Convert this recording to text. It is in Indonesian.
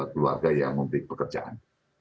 keluarga yang mempunyai pekerjaan